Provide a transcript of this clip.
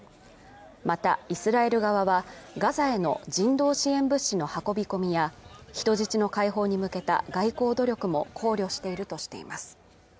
またイスラエル側はガザへの人道支援物資の運び込みや人質の解放に向けた外交努力も考慮しているとしています